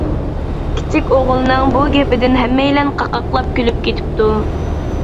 كىچىك ئوغۇلنىڭ بۇ گېپىدىن ھەممەيلەن قاقاقلاپ كۈلۈپ كېتىپتۇ.